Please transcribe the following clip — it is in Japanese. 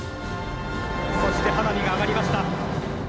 そして花火が上がりました。